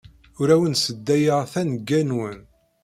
Ur awen-sseddayeɣ tanegga-nwen.